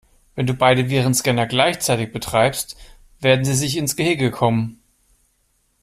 Wenn du beide Virenscanner gleichzeitig betreibst, werden sie sich ins Gehege kommen.